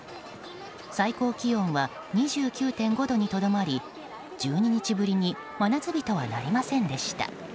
最高気温は２９．５度にとどまり１２日ぶりに真夏日とはなりませんでした。